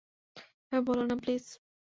এভাবে বলো না, প্লীজ।